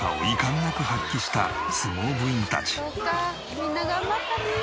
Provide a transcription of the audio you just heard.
みんな頑張ったね。